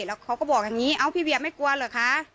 แล้วเขาก็บอกอย่างนี้เอ้าพี่เวียไม่กลัวเหรอคะ